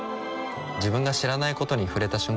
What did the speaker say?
自分が知らないことに触れた瞬間